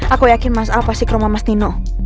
aku yakin mas al pasti ke rumah mas dino